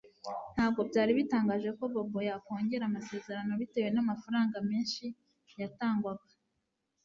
Ntabwo byari bitangaje ko Bobo yakongera amasezerano bitewe namafaranga menshi yatangwaga